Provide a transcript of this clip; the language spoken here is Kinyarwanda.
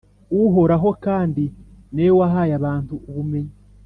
Uhoraho kandi ni we wahaye abantu ubumenyi,